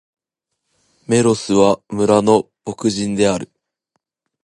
メロスは、村の牧人である。